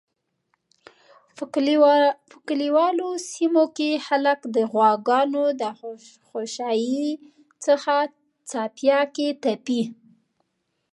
په کلیوالو سیمو کی خلک د غواګانو د خوشایی څخه څپیاکی تپی